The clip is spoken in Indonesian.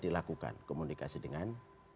dilakukan komunikasi dengan